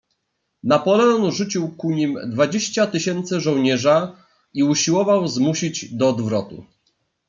"Napoleon rzucił ku nim dwadzieścia tysięcy żołnierza i usiłował zmusić do odwrotu."